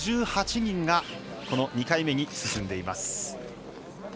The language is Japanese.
５８人がこの２回目に進んでいます。